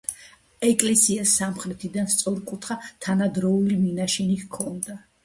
ეკლესიას სამხრეთიდან სწორკუთხა, თანადროული მინაშენი ჰქონდა.